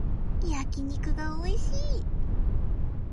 焼き肉がおいしい